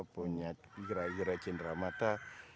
punya gira gira cindera mata